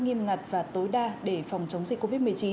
nghiêm ngặt và tối đa để phòng chống dịch covid một mươi chín